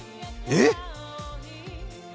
えっ！